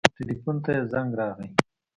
ټېلفون ته يې زنګ راغى.